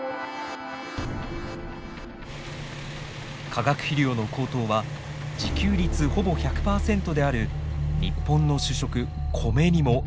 化学肥料の高騰は自給率ほぼ１００％である日本の主食コメにも影響を与えます。